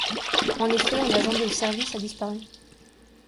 En effet, un agent de ce service a disparu.